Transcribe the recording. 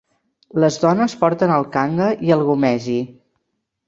Les dones porten el kanga i el gomesi.